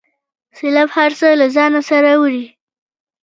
سیلاب هر څه له ځانه سره وړي.